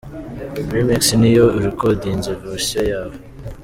Remix ni iyo u recordinze version yawe.